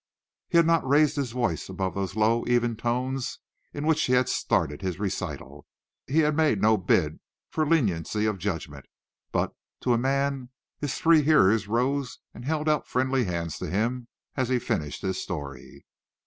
He had not raised his voice above those low, even tones in which he had started his recital; he had made no bid for leniency of judgment; but, to a man, his three hearers rose and held out friendly hands to him as he finished his story.